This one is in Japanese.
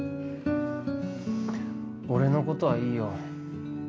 俺のことはいいよ